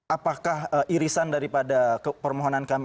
apakah irisan daripada permohonan kami